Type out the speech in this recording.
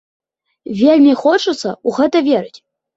Вельмі хочацца ў гэта верыць!